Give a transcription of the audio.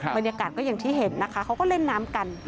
บรรยากาศก็อย่างที่เห็นนะคะเขาก็เล่นน้ำกัน